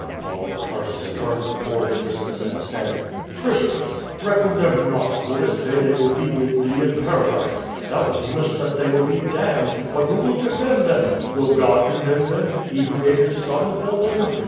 Paul of Tarsus turned towards Crispus, and said: "Crispus! threaten them not, for this day they will bewitli thee in paradise. Thou deemest that they may be damned, >ut who will condemn them? Will God condemn them, He who gave His Son for them?